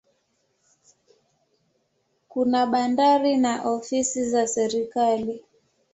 Kuna bandari na ofisi za serikali.